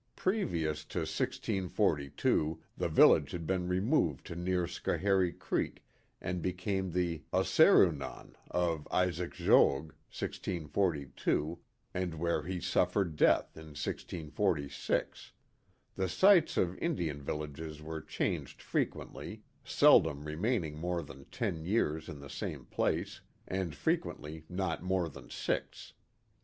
['* Previous to 1642 the village had been removed to near Schoharie Creek, and became the Osseruenon, of Isaac Jogues, 1642, and where he suffered death in 1646. The sites of In dian villages were changed frequently, seldom remaining more than ten years in the same place, and frequently not more than six."